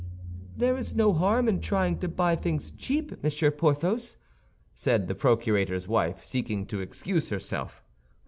"There is no harm in trying to buy things cheap, Monsieur Porthos," said the procurator's wife, seeking to excuse herself.